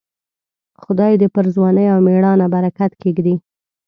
خدای دې پر ځوانۍ او مړانه برکت کښېږدي.